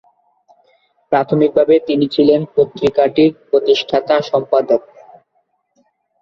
প্রাথমিকভাবে তিনি ছিলেন পত্রিকাটির প্রতিষ্ঠাতা সম্পাদক।